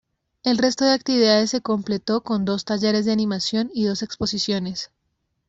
El resto de actividades se completó con dos talleres de animación y dos exposiciones.